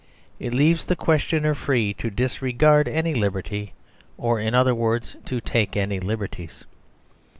It leaves the questioner free to disregard any liberty, or in other words to take any liberties.